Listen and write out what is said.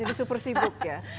jadi super sibuk ya